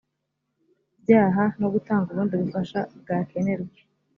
byaha no gutanga ubundi bufasha bwakenerwa